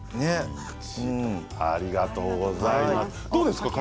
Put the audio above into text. ありがとうございます。